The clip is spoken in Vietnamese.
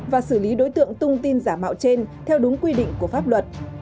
và xử lý đối tượng tung tin giả mạo trên theo đúng quy định của pháp luật